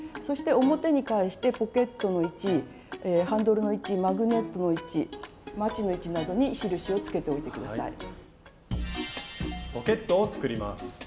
そして表に返してポケットの位置ハンドルの位置マグネットの位置まちの位置などに印をつけておいて下さい。